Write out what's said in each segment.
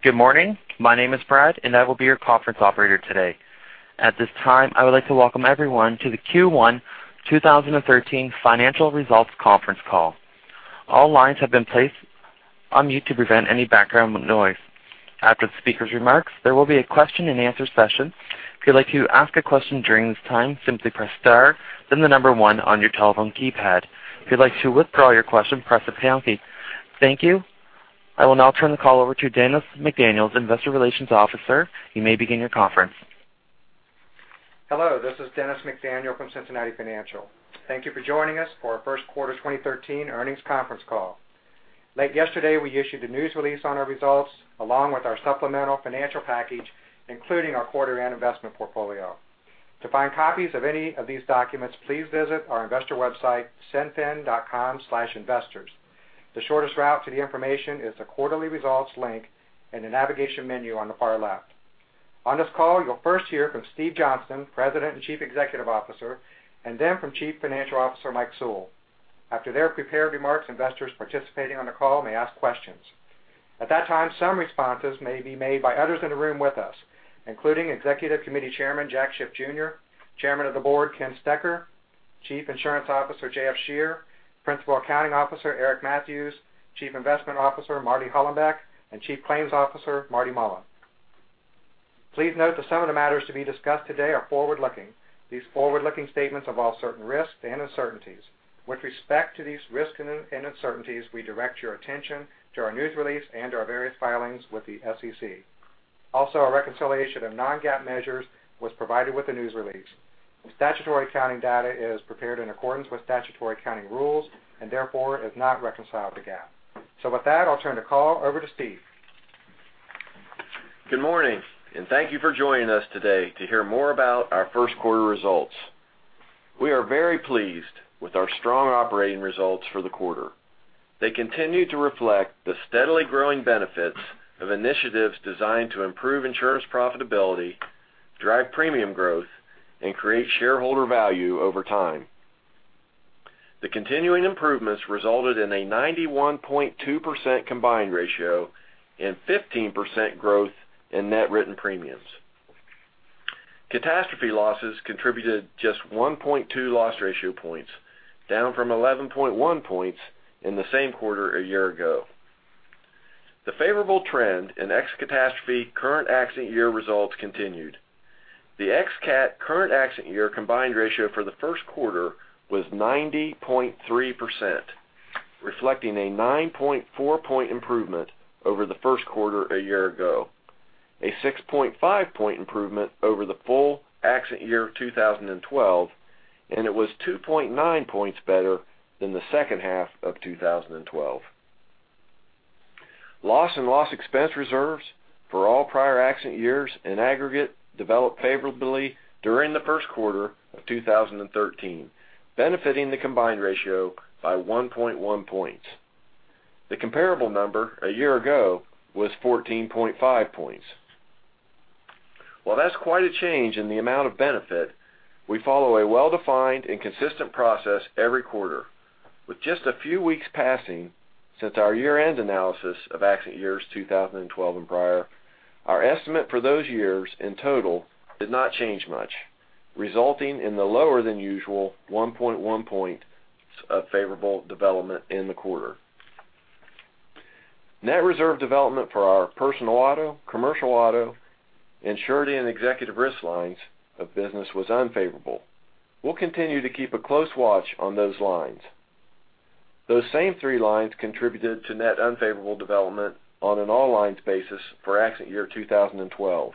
Good morning. My name is Brad, and I will be your conference operator today. At this time, I would like to welcome everyone to the Q1 2013 financial results conference call. All lines have been placed on mute to prevent any background noise. After the speaker's remarks, there will be a question and answer session. If you'd like to ask a question during this time, simply press star, then the number one on your telephone keypad. If you'd like to withdraw your question, press the pound key. Thank you. I will now turn the call over to Dennis McDaniel, investor relations officer. You may begin your conference. Hello, this is Dennis McDaniel from Cincinnati Financial. Thank you for joining us for our first quarter 2013 earnings conference call. Late yesterday, we issued a news release on our results along with our supplemental financial package, including our quarterly and investment portfolio. To find copies of any of these documents, please visit our investor website, cinfin.com/investors. The shortest route to the information is the quarterly results link in the navigation menu on the far left. On this call, you'll first hear from Steve Johnston, President and Chief Executive Officer, then from Chief Financial Officer Mike Sewell. At that time, some responses may be made by others in the room with us, including Executive Committee Chairman Jack Schiff Jr., Chairman of the Board Ken Stecher, Chief Insurance Officer JF Scherer, Principal Accounting Officer Eric Matthews, Chief Investment Officer Marty Hollenbeck, and Chief Claims Officer Marty Mullen. Please note that some of the matters to be discussed today are forward-looking. These forward-looking statements involve certain risks and uncertainties. With respect to these risks and uncertainties, we direct your attention to our news release and our various filings with the SEC. A reconciliation of non-GAAP measures was provided with the news release. The statutory accounting data is prepared in accordance with statutory accounting rules and therefore is not reconciled to GAAP. With that, I'll turn the call over to Steve. Good morning, thank you for joining us today to hear more about our first quarter results. We are very pleased with our strong operating results for the quarter. They continue to reflect the steadily growing benefits of initiatives designed to improve insurance profitability, drive premium growth, and create shareholder value over time. The continuing improvements resulted in a 91.2% combined ratio and 15% growth in net written premiums. Catastrophe losses contributed just 1.2 loss ratio points, down from 11.1 points in the same quarter a year ago. The favorable trend in ex-catastrophe current accident year results continued. The ex-cat current accident year combined ratio for the first quarter was 90.3%, reflecting a 9.4 point improvement over the first quarter a year ago, a 6.5 point improvement over the full accident year of 2012, and it was 2.9 points better than the second half of 2012. Loss and loss expense reserves for all prior accident years in aggregate developed favorably during the first quarter of 2013, benefiting the combined ratio by 1.1 points. The comparable number a year ago was 14.5 points. While that's quite a change in the amount of benefit, we follow a well-defined and consistent process every quarter. With just a few weeks passing since our year-end analysis of accident years 2012 and prior, our estimate for those years in total did not change much, resulting in the lower than usual 1.1 points of favorable development in the quarter. Net reserve development for our personal auto, commercial auto, and surety and executive risk lines of business was unfavorable. We'll continue to keep a close watch on those lines. Those same three lines contributed to net unfavorable development on an all-lines basis for accident year 2012.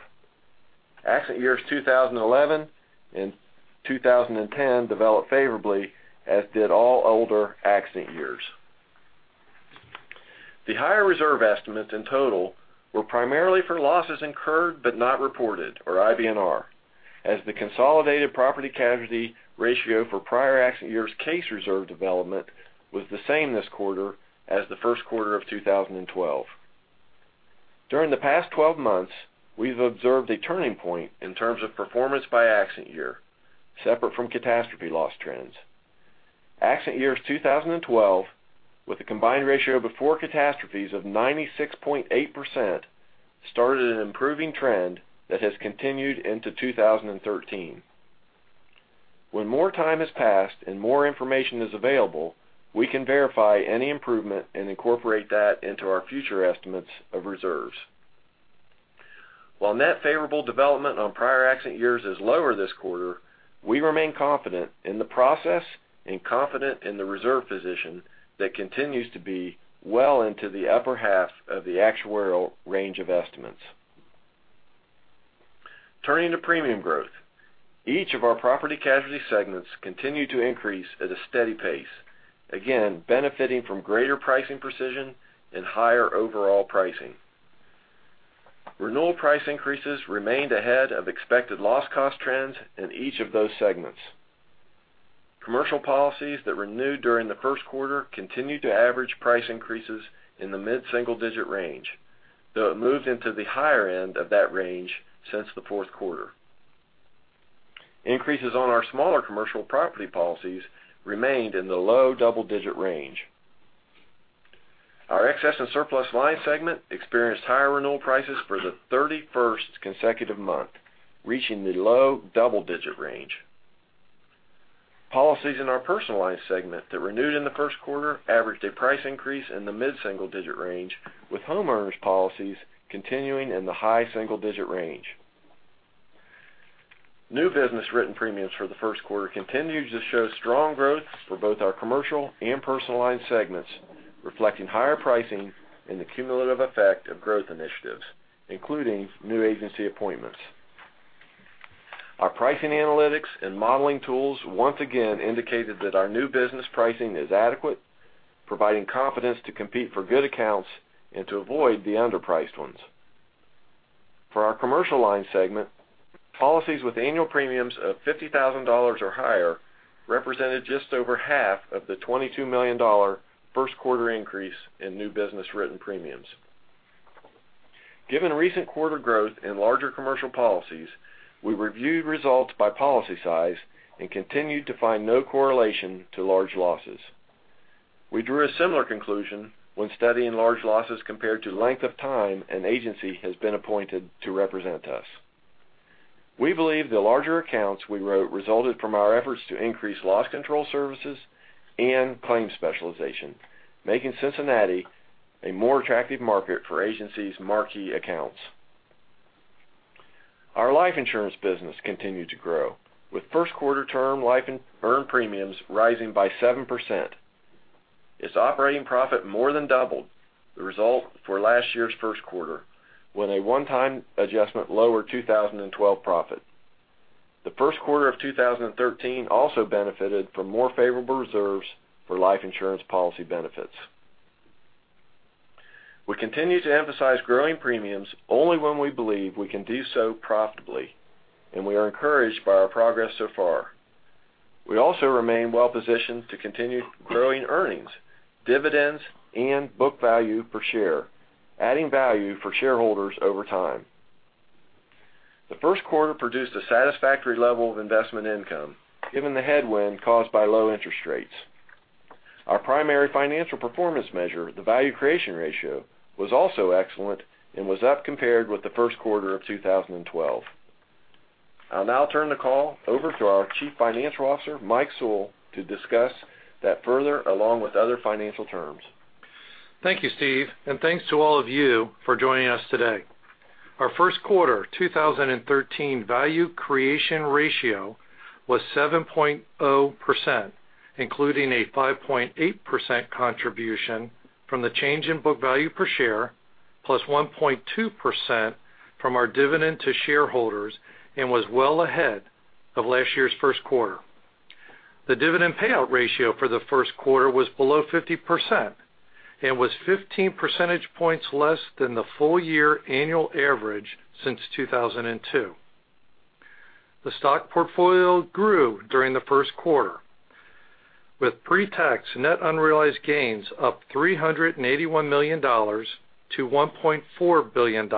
Accident years 2011 and 2010 developed favorably, as did all older accident years. The higher reserve estimates in total were primarily for losses incurred but not reported, or IBNR, as the consolidated property casualty ratio for prior accident years' case reserve development was the same this quarter as the first quarter of 2012. During the past 12 months, we've observed a turning point in terms of performance by accident year, separate from catastrophe loss trends. Accident years 2012, with a combined ratio before catastrophes of 96.8%, started an improving trend that has continued into 2013. When more time has passed and more information is available, we can verify any improvement and incorporate that into our future estimates of reserves. While net favorable development on prior accident years is lower this quarter, we remain confident in the process and confident in the reserve position that continues to be well into the upper half of the actuarial range of estimates. Turning to premium growth, each of our property casualty segments continue to increase at a steady pace, again, benefiting from greater pricing precision and higher overall pricing. Renewal price increases remained ahead of expected loss cost trends in each of those segments. Commercial policies that renewed during the first quarter continued to average price increases in the mid-single digit range, though it moved into the higher end of that range since the fourth quarter. Increases on our smaller commercial property policies remained in the low double-digit range. Our E&S line segment experienced higher renewal prices for the 31st consecutive month, reaching the low double-digit range. Policies in our personal line segment that renewed in the first quarter averaged a price increase in the mid-single digit range, with homeowners policies continuing in the high single-digit range. New business written premiums for the first quarter continued to show strong growth for both our commercial and personal line segments, reflecting higher pricing and the cumulative effect of growth initiatives, including new agency appointments. Our pricing analytics and modeling tools once again indicated that our new business pricing is adequate, providing confidence to compete for good accounts and to avoid the underpriced ones. For our commercial line segment, policies with annual premiums of $50,000 or higher represented just over half of the $22 million first quarter increase in new business written premiums. Given recent quarter growth in larger commercial policies, we reviewed results by policy size and continued to find no correlation to large losses. We drew a similar conclusion when studying large losses compared to length of time an agency has been appointed to represent us. We believe the larger accounts we wrote resulted from our efforts to increase loss control services and claims specialization, making Cincinnati a more attractive market for agencies' marquee accounts. Our life insurance business continued to grow, with first-quarter term life in earned premiums rising by 7%. Its operating profit more than doubled the result for last year's first quarter, when a one-time adjustment lowered 2012 profit. The first quarter of 2013 also benefited from more favorable reserves for life insurance policy benefits. We continue to emphasize growing premiums only when we believe we can do so profitably, and we are encouraged by our progress so far. We also remain well-positioned to continue growing earnings, dividends, and book value per share, adding value for shareholders over time. The first quarter produced a satisfactory level of investment income, given the headwind caused by low interest rates. Our primary financial performance measure, the value creation ratio, was also excellent and was up compared with the first quarter of 2012. I'll now turn the call over to our Chief Financial Officer, Mike Sewell, to discuss that further, along with other financial terms. Thank you, Steve. Thanks to all of you for joining us today. Our first quarter of 2013 value creation ratio was 7.0%, including a 5.8% contribution from the change in book value per share, plus 1.2% from our dividend to shareholders and was well ahead of last year's first quarter. The dividend payout ratio for the first quarter was below 50% and was 15 percentage points less than the full year annual average since 2002. The stock portfolio grew during the first quarter, with pre-tax net unrealized gains up $381 million to $1.4 billion.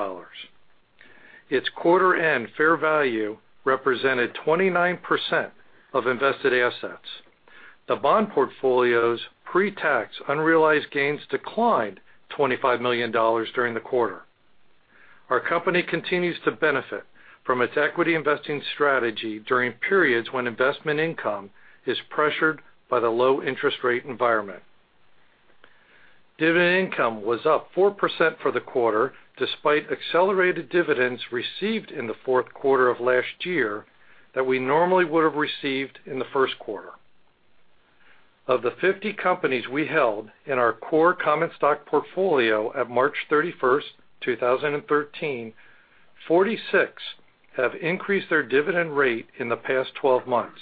Its quarter-end fair value represented 29% of invested assets. The bond portfolio's pre-tax unrealized gains declined $25 million during the quarter. Our company continues to benefit from its equity investing strategy during periods when investment income is pressured by the low interest rate environment. Dividend income was up 4% for the quarter, despite accelerated dividends received in the fourth quarter of last year that we normally would've received in the first quarter. Of the 50 companies we held in our core common stock portfolio at March 31st, 2013, 46 have increased their dividend rate in the past 12 months.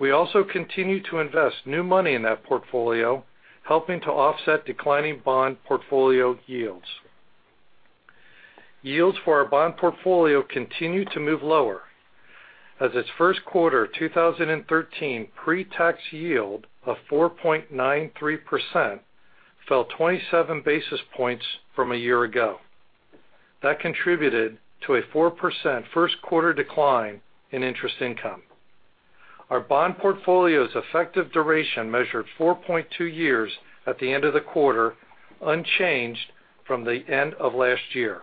We also continue to invest new money in that portfolio, helping to offset declining bond portfolio yields. Yields for our bond portfolio continue to move lower as its first quarter 2013 pre-tax yield of 4.93% fell 27 basis points from a year ago. That contributed to a 4% first quarter decline in interest income. Our bond portfolio's effective duration measured 4.2 years at the end of the quarter, unchanged from the end of last year.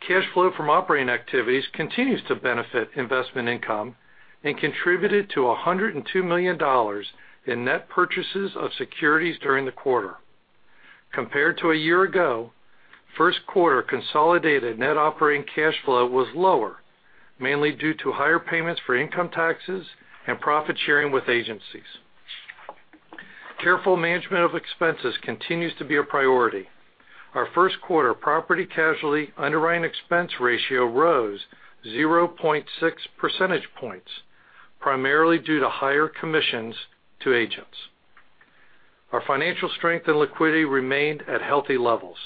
Cash flow from operating activities continues to benefit investment income and contributed to $102 million in net purchases of securities during the quarter. Compared to a year ago, first quarter consolidated net operating cash flow was lower, mainly due to higher payments for income taxes and profit-sharing with agencies. Careful management of expenses continues to be a priority. Our first quarter property casualty underwriting expense ratio rose 0.6 percentage points, primarily due to higher commissions to agents. Our financial strength and liquidity remained at healthy levels.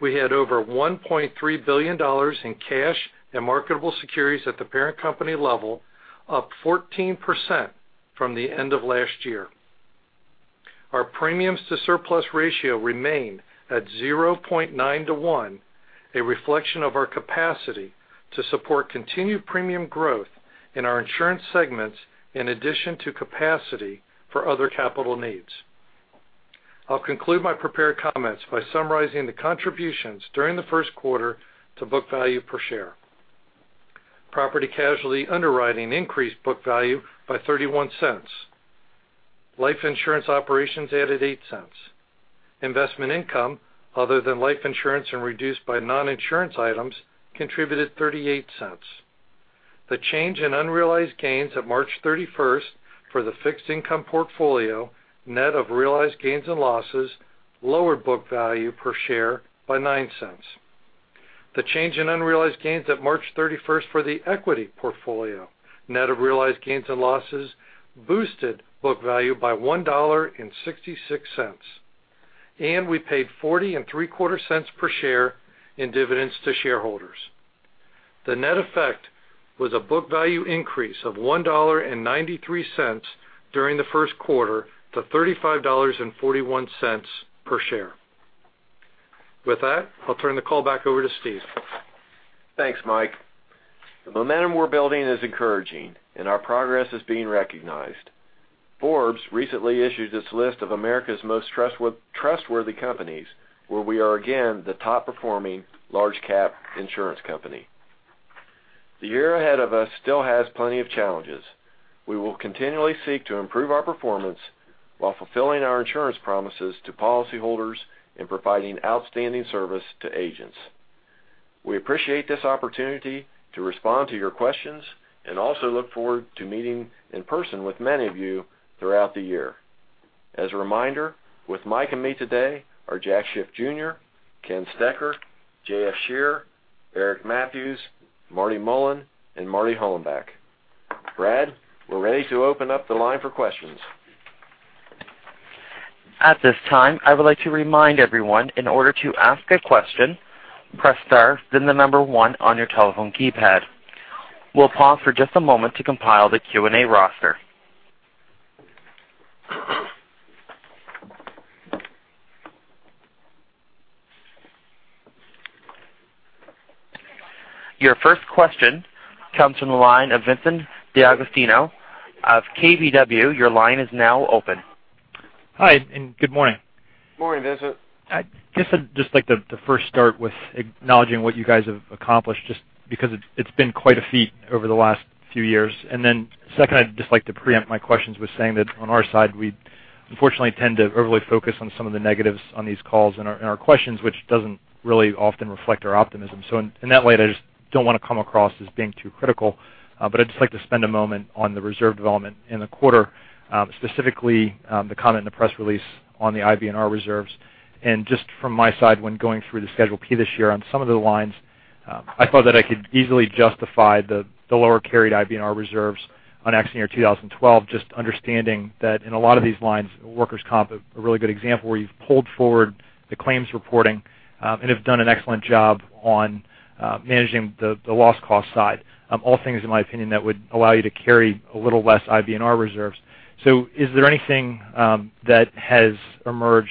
We had over $1.3 billion in cash and marketable securities at the parent company level, up 14% from the end of last year. Our premiums to surplus ratio remain at 0.9 to one, a reflection of our capacity to support continued premium growth in our insurance segments, in addition to capacity for other capital needs. I'll conclude my prepared comments by summarizing the contributions during the first quarter to book value per share. Property casualty underwriting increased book value by $0.31. Life insurance operations added $0.08. Investment income other than life insurance and reduced by non-insurance items contributed $0.38. The change in unrealized gains of March 31st for the fixed income portfolio, net of realized gains and losses, lowered book value per share by $0.09. The change in unrealized gains at March 31st for the equity portfolio, net of realized gains and losses, boosted book value by $1.66. We paid $0.4075 per share in dividends to shareholders. The net effect was a book value increase of $1.93 during the first quarter to $35.41 per share. With that, I'll turn the call back over to Steve. Thanks, Mike. The momentum we're building is encouraging, and our progress is being recognized. Forbes recently issued its list of America's most trustworthy companies, where we are again the top-performing large cap insurance company. The year ahead of us still has plenty of challenges. We will continually seek to improve our performance while fulfilling our insurance promises to policyholders and providing outstanding service to agents. We appreciate this opportunity to respond to your questions and also look forward to meeting in person with many of you throughout the year. As a reminder, with Mike and me today are Jack Schiff Jr., Ken Stecher, JF Scherer, Eric Mathews, Marty Mullen, and Marty Hollenbeck. Brad, we're ready to open up the line for questions. At this time, I would like to remind everyone, in order to ask a question, press star, then the number one on your telephone keypad. We'll pause for just a moment to compile the Q&A roster. Your first question comes from the line of Vincent D'Agostino of KBW. Your line is now open. Hi, good morning. Morning, Vincent. I guess I'd just like to first start with acknowledging what you guys have accomplished, just because it's been quite a feat over the last few years. Second, I'd just like to preempt my questions with saying that on our side, we unfortunately tend to overly focus on some of the negatives on these calls and our questions, which doesn't really often reflect our optimism. In that way, I just don't want to come across as being too critical, but I'd just like to spend a moment on the reserve development in the quarter, specifically the comment in the press release on the IBNR reserves. Just from my side, when going through the Schedule P this year, on some of the lines, I thought that I could easily justify the lower carried IBNR reserves on accident year 2012, just understanding that in a lot of these lines, workers' comp, a really good example, where you've pulled forward the claims reporting and have done an excellent job on managing the loss cost side. All things, in my opinion, that would allow you to carry a little less IBNR reserves. Is there anything that has emerged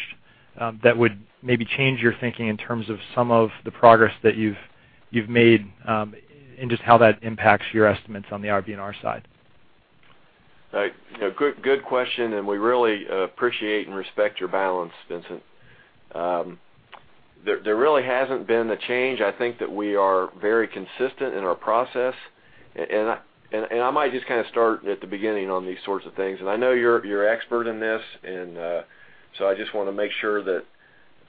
that would maybe change your thinking in terms of some of the progress that you've made and just how that impacts your estimates on the IBNR side? Right. Good question, and we really appreciate and respect your balance, Vincent. There really hasn't been a change. I think that we are very consistent in our process, and I might just kind of start at the beginning on these sorts of things. I know you're expert in this, so I just want to make sure that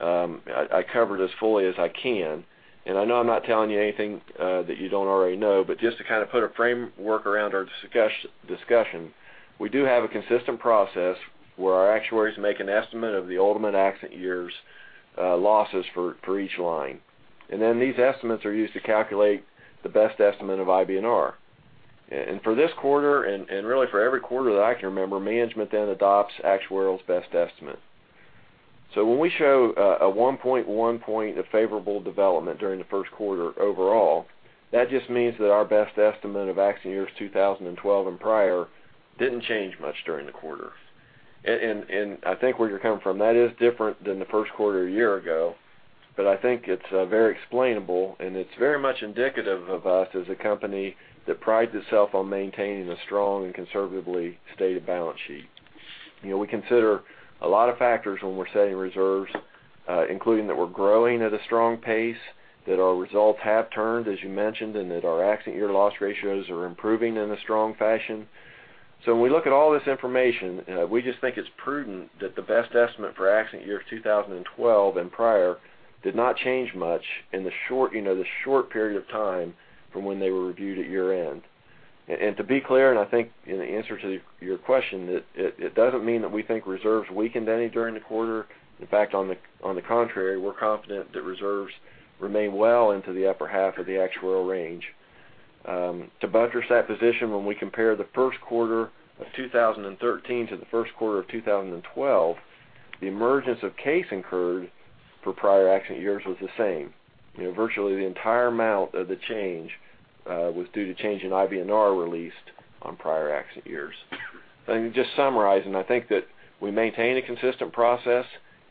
I cover it as fully as I can. I know I'm not telling you anything that you don't already know, but just to kind of put a framework around our discussion, we do have a consistent process where our actuaries make an estimate of the ultimate accident year's losses for each line. These estimates are used to calculate the best estimate of IBNR. For this quarter, and really for every quarter that I can remember, management then adopts actuarial's best estimate. When we show a 1.1 point of favorable development during the first quarter overall, that just means that our best estimate of accident years 2012 and prior didn't change much during the quarter. I think where you're coming from, that is different than the first quarter a year ago, but I think it's very explainable, and it's very much indicative of us as a company that prides itself on maintaining a strong and conservatively stated balance sheet. We consider a lot of factors when we're setting reserves, including that we're growing at a strong pace, that our results have turned, as you mentioned, and that our accident year loss ratios are improving in a strong fashion. When we look at all this information, we just think it's prudent that the best estimate for accident years 2012 and prior did not change much in the short period of time from when they were reviewed at year-end. To be clear, and I think in answer to your question, it doesn't mean that we think reserves weakened any during the quarter. In fact, on the contrary, we're confident that reserves remain well into the upper half of the actuarial range. To buttress that position, when we compare the first quarter of 2013 to the first quarter of 2012, the emergence of case incurred- For prior accident years was the same. Virtually the entire amount of the change was due to change in IBNR released on prior accident years. Just summarizing, I think that we maintain a consistent process.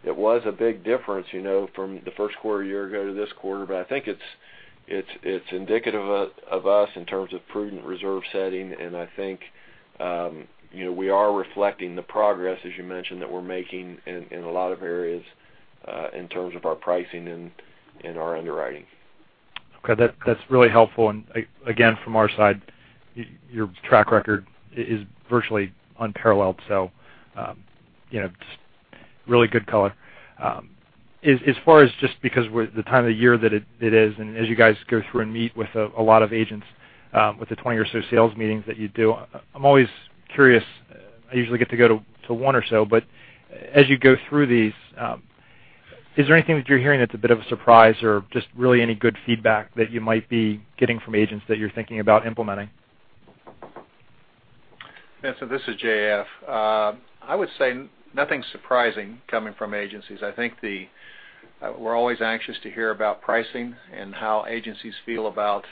It was a big difference from the first quarter a year ago to this quarter. I think it's indicative of us in terms of prudent reserve setting, and I think we are reflecting the progress, as you mentioned, that we're making in a lot of areas in terms of our pricing and our underwriting. Okay. That's really helpful. Again, from our side, your track record is virtually unparalleled. Just really good color. As far as just because the time of year that it is, and as you guys go through and meet with a lot of agents with the 20 or so sales meetings that you do, I'm always curious. I usually get to go to one or so, as you go through these, is there anything that you're hearing that's a bit of a surprise or just really any good feedback that you might be getting from agents that you're thinking about implementing? Vincent, this is J.F. I would say nothing surprising coming from agencies. I think we're always anxious to hear about pricing and how agencies feel about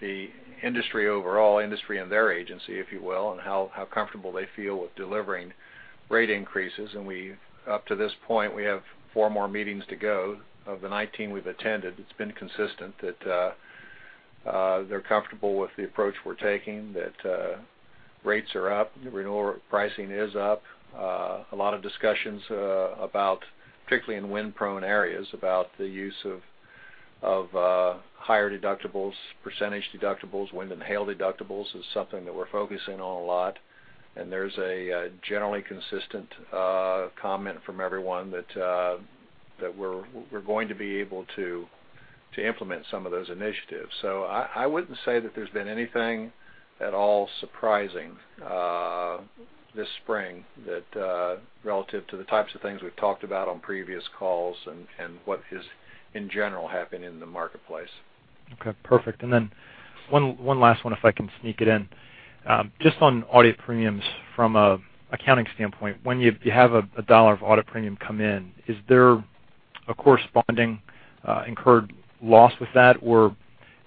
the industry overall, industry and their agency, if you will, and how comfortable they feel with delivering rate increases. Up to this point, we have four more meetings to go. Of the 19 we've attended, it's been consistent that they're comfortable with the approach we're taking, that rates are up, renewal pricing is up. A lot of discussions, particularly in wind-prone areas, about the use of higher deductibles, percentage deductibles, wind and hail deductibles is something that we're focusing on a lot. There's a generally consistent comment from everyone that we're going to be able to implement some of those initiatives. I wouldn't say that there's been anything at all surprising this spring that relative to the types of things we've talked about on previous calls and what is in general happening in the marketplace. Okay, perfect. Then one last one, if I can sneak it in. Just on audit premiums from an accounting standpoint, when you have a dollar of audit premium come in, is there a corresponding incurred loss with that?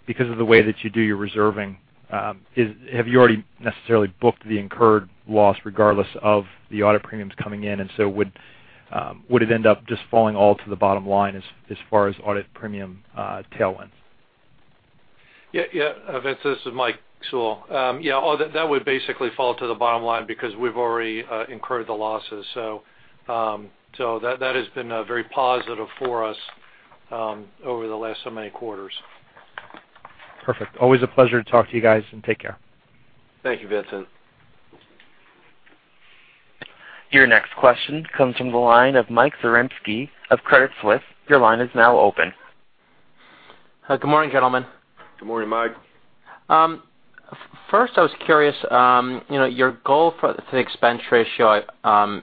Because of the way that you do your reserving, have you already necessarily booked the incurred loss regardless of the audit premiums coming in? Would it end up just falling all to the bottom line as far as audit premium tailwind? Vincent, this is Mike Sewell. Yeah, that would basically fall to the bottom line because we've already incurred the losses. That has been very positive for us over the last so many quarters. Perfect. Always a pleasure to talk to you guys, and take care. Thank you, Vincent. Your next question comes from the line of Michael Zaremski of Credit Suisse. Your line is now open. Good morning, gentlemen. Good morning, Mike. First, I was curious, your goal for the expense ratio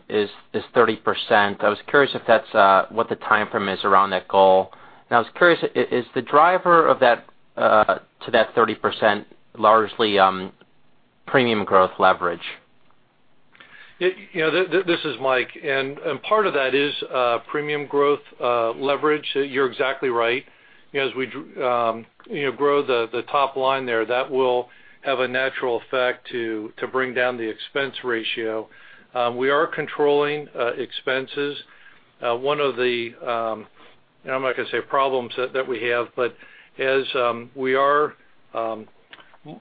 is 30%. I was curious what the time frame is around that goal. I was curious, is the driver to that 30% largely premium growth leverage? This is Mike. Part of that is premium growth leverage. You're exactly right. As we grow the top line there, that will have a natural effect to bring down the expense ratio. We are controlling expenses. As we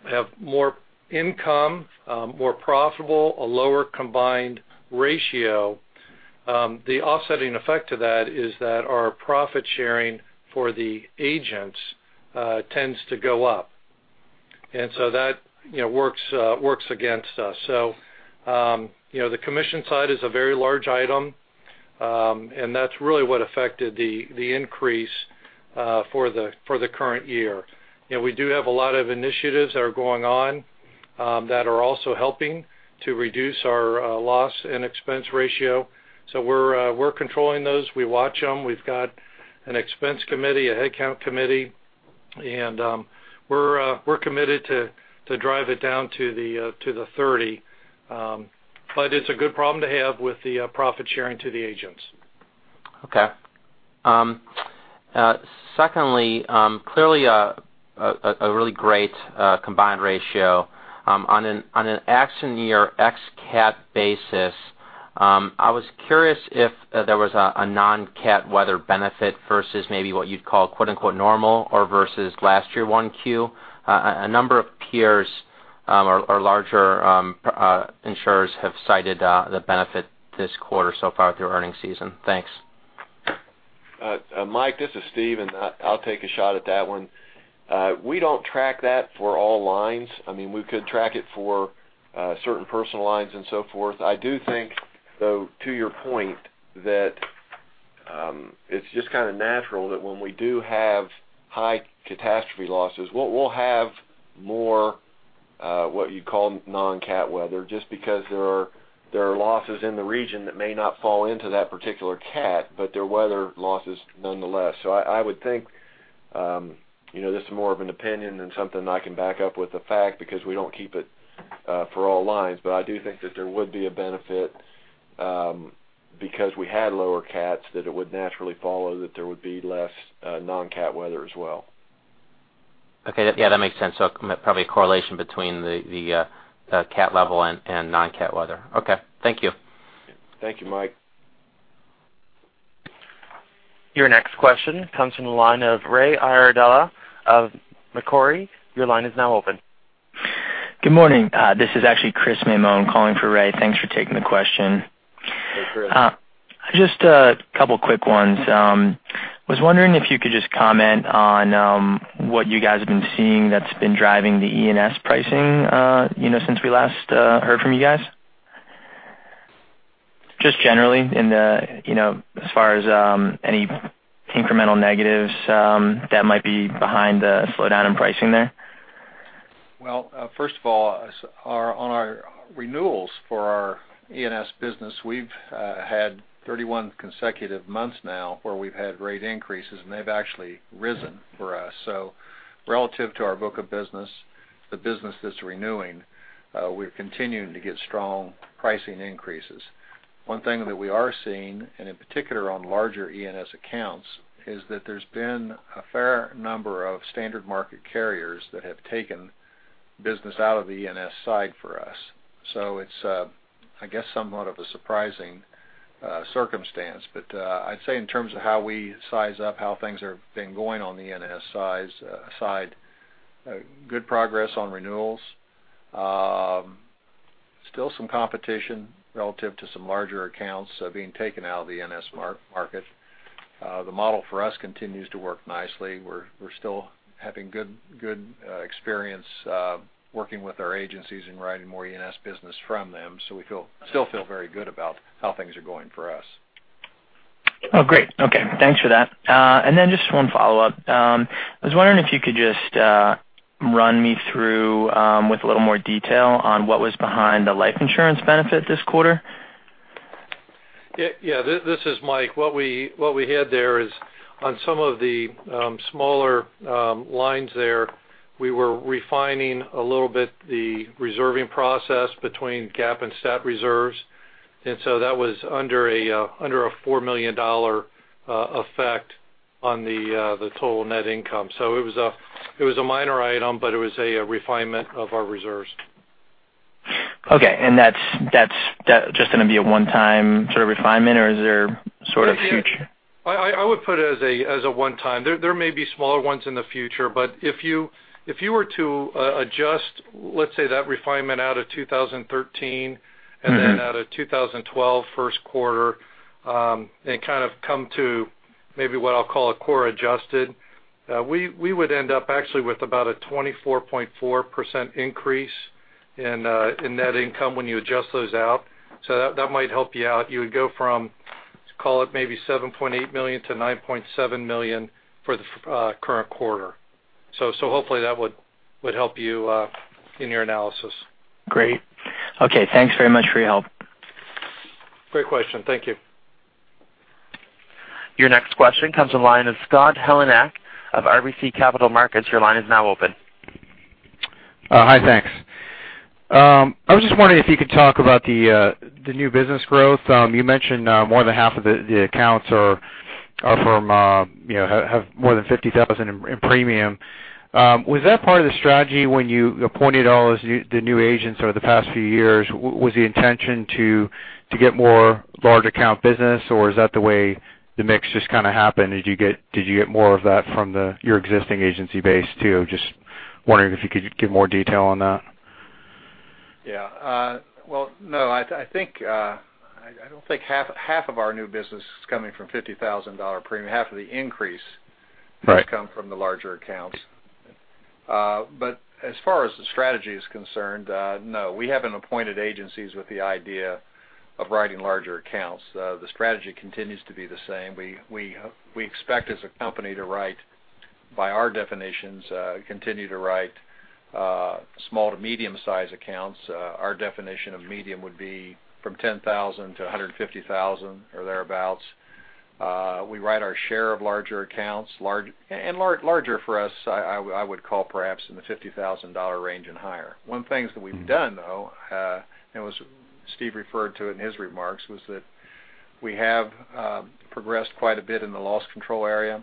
have more income, more profitable, a lower combined ratio, the offsetting effect to that is that our profit sharing for the agents tends to go up. That works against us. The commission side is a very large item, and that's really what affected the increase for the current year. We do have a lot of initiatives that are going on that are also helping to reduce our loss and expense ratio. We're controlling those. We watch them. We've got an expense committee, a headcount committee. We're committed to drive it down to the 30. It's a good problem to have with the profit sharing to the agents. Okay. Secondly, clearly a really great combined ratio. On an accident year ex-CAT basis, I was curious if there was a non-CAT weather benefit versus maybe what you'd call "normal" or versus last year 1Q. A number of peers or larger insurers have cited the benefit this quarter so far through earning season. Thanks. Mike, this is Steve, I'll take a shot at that one. We don't track that for all lines. We could track it for certain personal lines and so forth. I do think, though, to your point, that it's just kind of natural that when we do have high catastrophe losses, we'll have more what you'd call non-CAT weather, just because there are losses in the region that may not fall into that particular CAT, but they're weather losses nonetheless. I would think This is more of an opinion than something I can back up with a fact because we don't keep it for all lines. I do think that there would be a benefit because we had lower CATs, that it would naturally follow that there would be less non-CAT weather as well. Okay. Yeah, that makes sense. Probably a correlation between the CAT level and non-CAT weather. Okay. Thank you. Thank you, Mike. Your next question comes from the line of Ray Iardella of Macquarie. Your line is now open. Good morning. This is actually Chris Mamon calling for Ray. Thanks for taking the question. Hey, Chris. Just a couple quick ones. Was wondering if you could just comment on what you guys have been seeing that's been driving the E&S pricing since we last heard from you guys? Generally as far as any incremental negatives that might be behind the slowdown in pricing there. Well, first of all, on our renewals for our E&S business, we've had 31 consecutive months now where we've had rate increases, and they've actually risen for us. Relative to our book of business, the business that's renewing, we're continuing to get strong pricing increases. One thing that we are seeing, and in particular on larger E&S accounts, is that there's been a fair number of standard market carriers that have taken business out of the E&S side for us. It's somewhat of a surprising circumstance. I'd say in terms of how we size up how things have been going on the E&S side, good progress on renewals. Still some competition relative to some larger accounts being taken out of the E&S market. The model for us continues to work nicely. We're still having good experience working with our agencies and writing more E&S business from them. We still feel very good about how things are going for us. Oh, great. Okay. Thanks for that. Just one follow-up. I was wondering if you could just run me through with a little more detail on what was behind the life insurance benefit this quarter. Yeah. This is Mike. What we had there is on some of the smaller lines there, we were refining a little bit the reserving process between GAAP and stat reserves. That was under a $4 million effect on the total net income. It was a minor item, but it was a refinement of our reserves. Okay. That's just going to be a one-time sort of refinement, or is there sort of future- I would put it as a one-time. There may be smaller ones in the future, but if you were to adjust, let's say, that refinement out of 2013 and then out of 2012 first quarter, and kind of come to maybe what I'll call a core adjusted, we would end up actually with about a 24.4% increase in net income when you adjust those out. That might help you out. You would go from, let's call it maybe $7.8 million to $9.7 million for the current quarter. Hopefully that would help you in your analysis. Great. Okay. Thanks very much for your help. Great question. Thank you. Your next question comes from the line of Scott Heleniak of RBC Capital Markets. Your line is now open. Hi, thanks. I was just wondering if you could talk about the new business growth. You mentioned more than half of the accounts have more than $50,000 in premium. Was that part of the strategy when you appointed all the new agents over the past few years? Was the intention to get more large account business, or is that the way the mix just kind of happened? Did you get more of that from your existing agency base, too? Just wondering if you could give more detail on that. Yeah. Well, no. I don't think half of our new business is coming from $50,000 premium. Half of the increase has come from the larger accounts. As far as the strategy is concerned, no. We haven't appointed agencies with the idea of writing larger accounts. The strategy continues to be the same. We expect as a company to write, by our definitions, continue to write small to medium size accounts. Our definition of medium would be from $10,000 to $150,000 or thereabouts. We write our share of larger accounts. And larger for us, I would call perhaps in the $50,000 range and higher. One of the things that we've done, though, and as Steve referred to in his remarks, was that we have progressed quite a bit in the loss control area.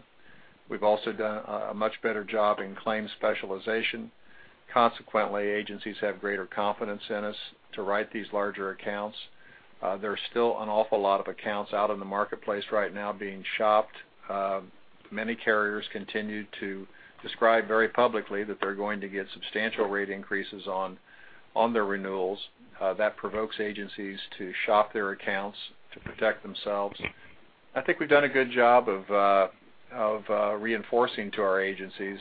We've also done a much better job in claims specialization. Consequently, agencies have greater confidence in us to write these larger accounts. There's still an awful lot of accounts out in the marketplace right now being shopped. Many carriers continue to describe very publicly that they're going to get substantial rate increases on their renewals. That provokes agencies to shop their accounts to protect themselves. I think we've done a good job of reinforcing to our agencies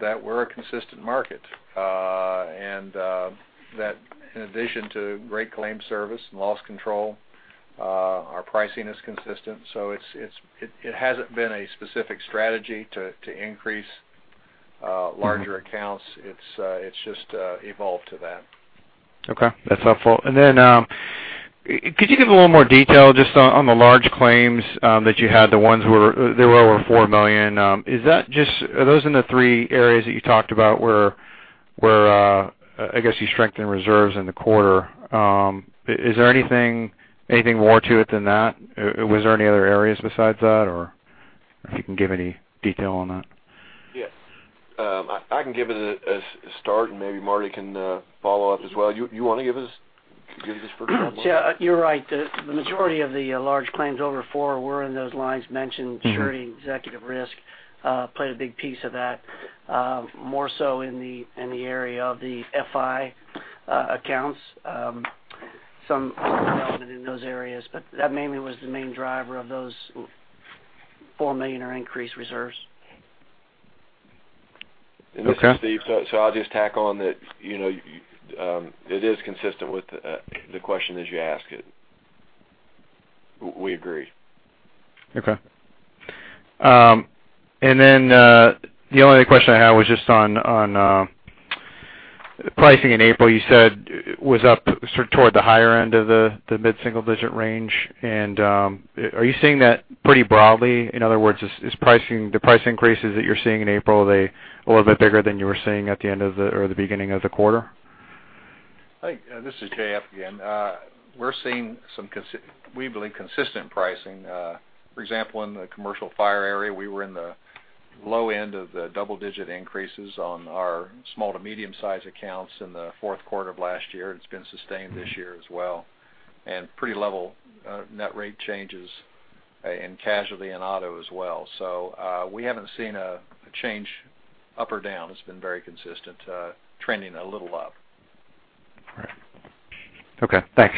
that we're a consistent market, and that in addition to great claim service and loss control, our pricing is consistent. It hasn't been a specific strategy to increase larger accounts, it's just evolved to that. Okay, that's helpful. Could you give a little more detail just on the large claims that you had, the ones that were over $4 million? Are those in the three areas that you talked about where I guess you strengthened reserves in the quarter? Is there anything more to it than that? Was there any other areas besides that, or if you can give any detail on that? Yes. I can give it a start and maybe Marty can follow up as well. You want to give this first shot? Yeah, you're right. The majority of the large claims over four were in those lines mentioned. Surety and executive risk played a big piece of that, more so in the area of the FI accounts, some development in those areas. That mainly was the main driver of those $4 million or increased reserves. Okay. This is Steve. I'll just tack on that it is consistent with the question that you asked. We agree. Okay. The only other question I had was just on pricing in April, you said was up sort of toward the higher end of the mid-single digit range. Are you seeing that pretty broadly? In other words, the price increases that you're seeing in April, are they a little bit bigger than you were seeing at the beginning of the quarter? This is J.F. again. We're seeing some, we believe, consistent pricing. For example, in the commercial fire area, we were in the low end of the double-digit increases on our small to medium size accounts in the fourth quarter of last year. It's been sustained this year as well. Pretty level net rate changes in casualty and auto as well. We haven't seen a change up or down. It's been very consistent, trending a little up. All right. Okay, thanks.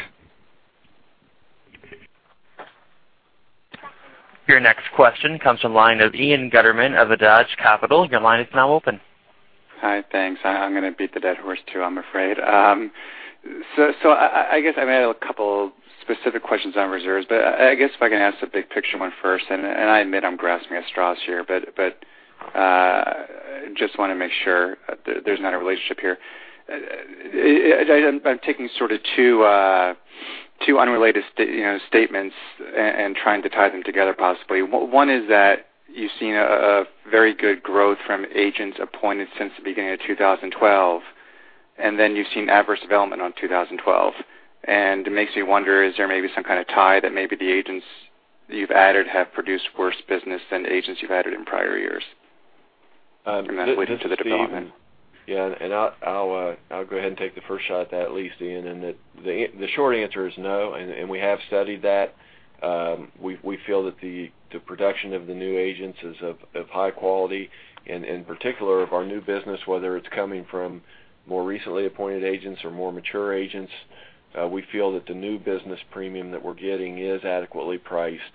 Your next question comes from the line of Ian Gutterman of Adage Capital. Your line is now open. Hi, thanks. I'm going to beat the dead horse too, I'm afraid. I guess I might have a couple specific questions on reserves, but I guess if I can ask the big picture one first, and I admit I'm grasping at straws here, but just want to make sure there's not a relationship here. I'm taking sort of two unrelated statements and trying to tie them together possibly. One is that you've seen a very good growth from agents appointed since the beginning of 2012, then you've seen adverse development on 2012. It makes me wonder, is there maybe some kind of tie that maybe the agents you've added have produced worse business than agents you've added in prior years? That's leading to the development. This is Steve. Yeah, I'll go ahead and take the first shot at that at least, Ian. The short answer is no. We have studied that. We feel that the production of the new agents is of high quality, and in particular of our new business, whether it's coming from more recently appointed agents or more mature agents. We feel that the new business premium that we're getting is adequately priced,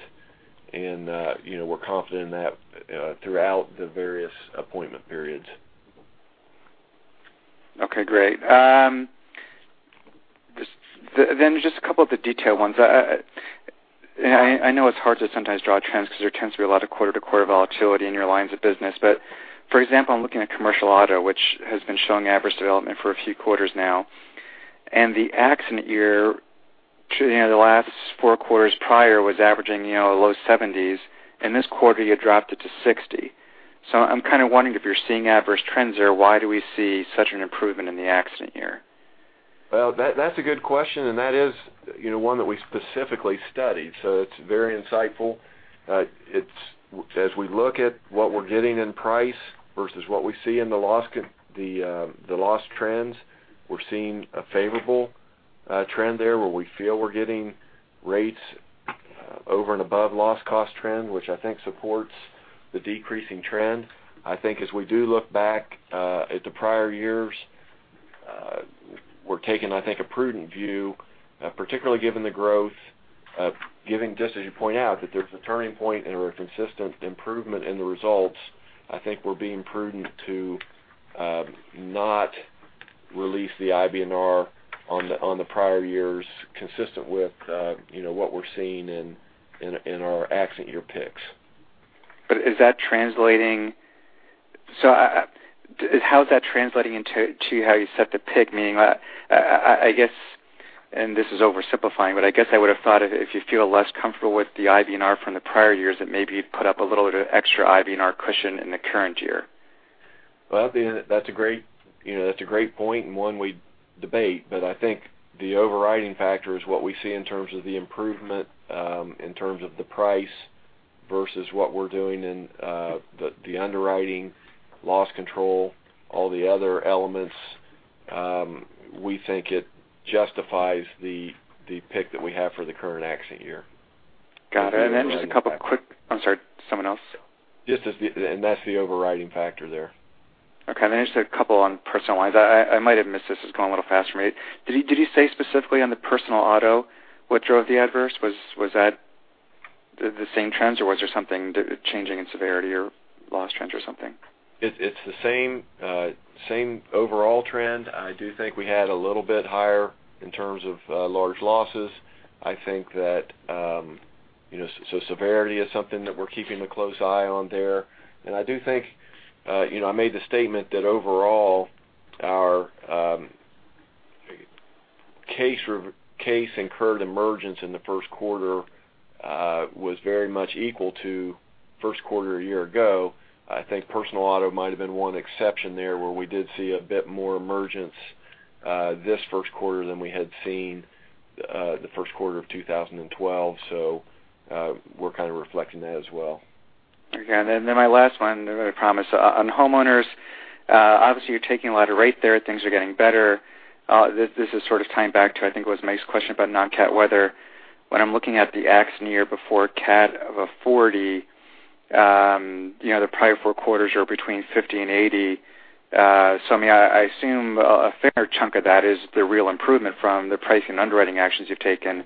and we're confident in that throughout the various appointment periods. Okay, great. Just a couple of the detail ones. I know it's hard to sometimes draw trends because there tends to be a lot of quarter-over-quarter volatility in your lines of business. For example, I'm looking at commercial auto, which has been showing adverse development for a few quarters now, and the accident year the last four quarters prior was averaging low 70s, and this quarter you dropped it to 60. I'm kind of wondering if you're seeing adverse trends there. Why do we see such an improvement in the accident year? That's a good question. That is one that we specifically studied. It's very insightful. As we look at what we're getting in price versus what we see in the loss trends, we're seeing a favorable trend there where we feel we're getting rates over and above loss cost trend, which I think supports the decreasing trend. I think as we do look back at the prior years, we're taking, I think, a prudent view, particularly given the growth, given just as you point out, that there's a turning point and a consistent improvement in the results. I think we're being prudent to not release the IBNR on the prior years consistent with what we're seeing in our accident year picks. Is that translating? How is that translating into how you set the pick? Meaning, I guess, this is oversimplifying. I guess I would have thought if you feel less comfortable with the IBNR from the prior years, that maybe you'd put up a little bit of extra IBNR cushion in the current year. Ian, that's a great point. One we debate. I think the overriding factor is what we see in terms of the improvement, in terms of the price versus what we're doing in the underwriting, loss control, all the other elements. We think it justifies the pick that we have for the current accident year. Got it. Then just a couple. I'm sorry, someone else? That's the overriding factor there. Okay. Then just a couple on personal lines. I might have missed this. It's going a little fast for me. Did you say specifically on the personal auto what drove the adverse? Was that the same trends or was there something changing in severity or loss trends or something? It's the same overall trend. I do think we had a little bit higher in terms of large losses. Severity is something that we're keeping a close eye on there. I do think, I made the statement that overall, our case incurred emergence in the first quarter was very much equal to first quarter a year ago. I think personal auto might have been one exception there, where we did see a bit more emergence this first quarter than we had seen the first quarter of 2012. We're kind of reflecting that as well. Okay. My last one, I promise. On homeowners, obviously, you're taking a lot of rate there. Things are getting better. This is sort of tying back to, I think it was Mike's question about non-CAT weather. When I'm looking at the accident year before CAT of a 40, the prior four quarters are between 50 and 80. I assume a fair chunk of that is the real improvement from the price and underwriting actions you've taken.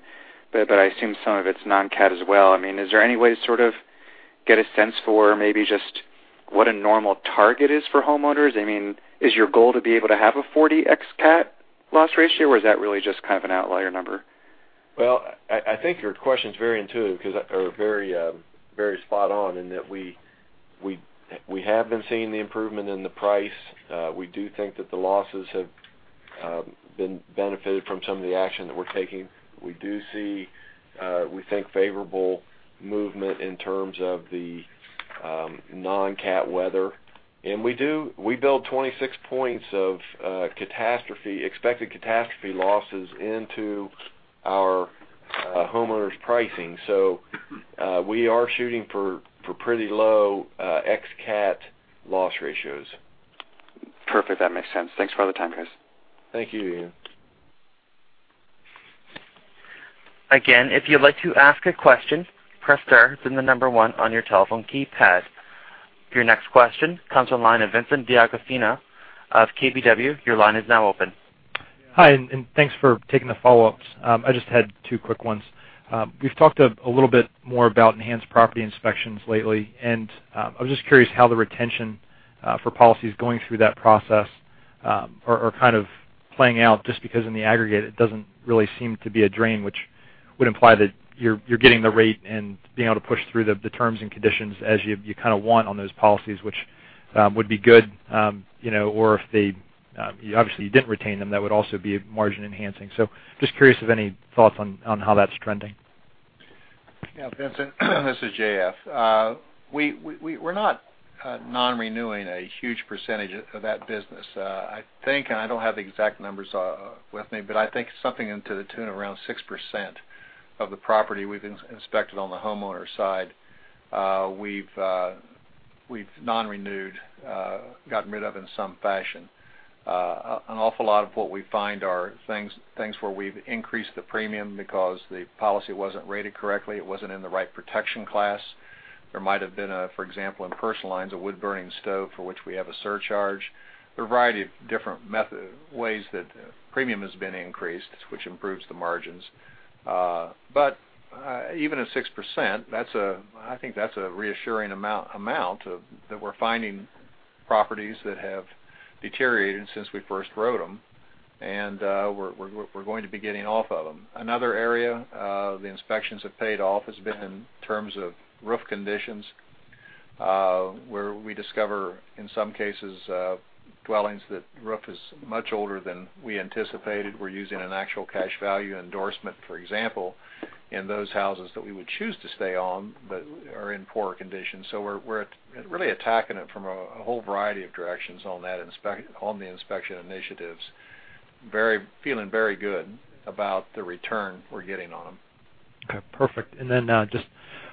I assume some of it's non-CAT as well. Is there any way to sort of get a sense for maybe just what a normal target is for homeowners? Is your goal to be able to have a 40 ex-CAT loss ratio, or is that really just kind of an outlier number? I think your question's very intuitive or very spot on in that we have been seeing the improvement in the price. We do think that the losses have benefited from some of the action that we're taking. We do see, we think, favorable movement in terms of the non-CAT weather. We build 26 points of expected catastrophe losses into our homeowners' pricing. We are shooting for pretty low ex-CAT loss ratios. Perfect. That makes sense. Thanks for all the time, guys. Thank you. Again, if you'd like to ask a question, press star, then the number one on your telephone keypad. Your next question comes from the line of Vincent D'Agostino of KBW. Your line is now open. Hi. Thanks for taking the follow-ups. I just had two quick ones. You've talked a little bit more about enhanced property inspections lately, and I was just curious how the retention for policies going through that process are kind of playing out, just because in the aggregate, it doesn't really seem to be a drain, which would imply that you're getting the rate and being able to push through the terms and conditions as you kind of want on those policies, which would be good. Or if they, obviously, you didn't retain them, that would also be margin enhancing. Just curious of any thoughts on how that's trending. Vincent, this is J.F. We're not non-renewing a huge percentage of that business. I think I don't have the exact numbers with me, but I think something into the tune of around 6% of the property we've inspected on the homeowner side, we've non-renewed, gotten rid of in some fashion. An awful lot of what we find are things where we've increased the premium because the policy wasn't rated correctly, it wasn't in the right protection class. There might've been a, for example, in personal lines, a wood-burning stove for which we have a surcharge. There are a variety of different ways that premium has been increased, which improves the margins. Even at 6%, I think that's a reassuring amount that we're finding properties that have deteriorated since we first wrote them, and we're going to be getting off of them. Another area the inspections have paid off has been in terms of roof conditions, where we discover, in some cases, dwellings that the roof is much older than we anticipated. We're using an actual cash value endorsement, for example, in those houses that we would choose to stay on but are in poor condition. We're really attacking it from a whole variety of directions on the inspection initiatives. Feeling very good about the return we're getting on them. Okay, perfect. Just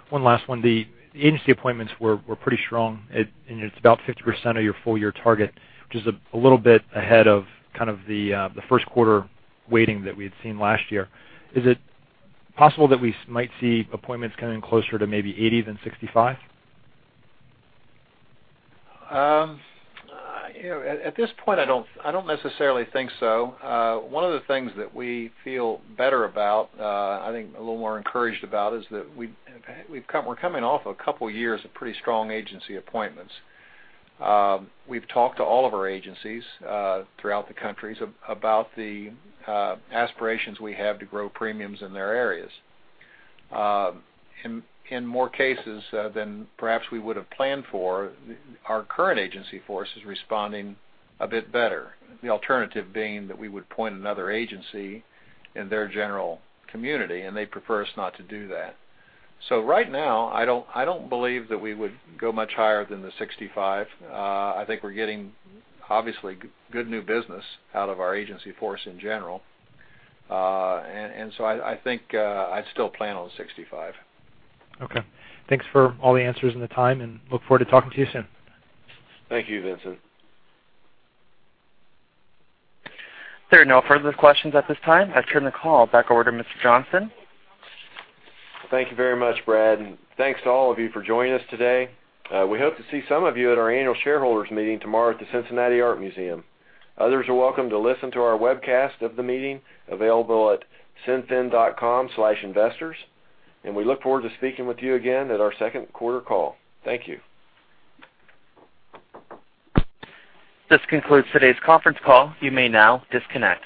one last one. The agency appointments were pretty strong, and it's about 50% of your full year target, which is a little bit ahead of kind of the first quarter waiting that we had seen last year. Is it possible that we might see appointments coming closer to maybe 80 than 65? At this point, I don't necessarily think so. One of the things that we feel better about, I think a little more encouraged about, is that we're coming off a couple of years of pretty strong agency appointments. We've talked to all of our agencies throughout the countries about the aspirations we have to grow premiums in their areas. In more cases than perhaps we would have planned for, our current agency force is responding a bit better. The alternative being that we would appoint another agency in their general community, and they'd prefer us not to do that. Right now, I don't believe that we would go much higher than the 65. I think we're getting obviously good new business out of our agency force in general. I think I'd still plan on 65. Okay. Thanks for all the answers and the time, look forward to talking to you soon. Thank you, Vincent. There are no further questions at this time. I turn the call back over to Mr. Johnston. Thank you very much, Brad. Thanks to all of you for joining us today. We hope to see some of you at our annual shareholders meeting tomorrow at the Cincinnati Art Museum. Others are welcome to listen to our webcast of the meeting available at cinfin.com/investors. We look forward to speaking with you again at our second quarter call. Thank you. This concludes today's conference call. You may now disconnect.